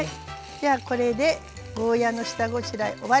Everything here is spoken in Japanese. じゃあこれでゴーヤーの下ごしらえ終わり！